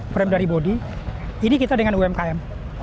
frame dari bodi ini kita dengan umkm